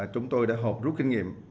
chúng tôi đã hộp rút kinh nghiệm